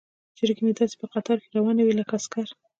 چرګې مې داسې په قطار کې روانې وي لکه عسکر.